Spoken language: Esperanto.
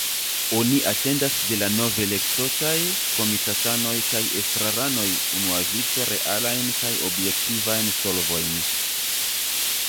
Oni atendas de la novelektotaj komitatanoj kaj estraranoj unuavice realajn kaj objektivajn solvojn.